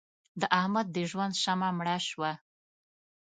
د احمد د ژوند شمع مړه شوه.